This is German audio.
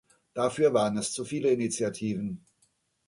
Dafür waren es zu viele Initiativen.